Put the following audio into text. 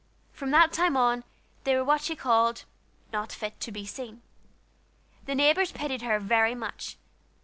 From that time on, they were what she called "not fit to be seen." The neighbors pitied her very much.